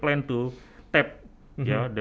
dan mereka berencana untuk